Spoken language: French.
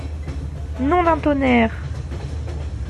Nom d'un tonnerre!